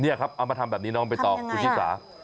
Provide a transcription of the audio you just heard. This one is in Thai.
นี่ครับเอามาทำแบบนี้น้องมันไปต่ออุชิสาทำอย่างไร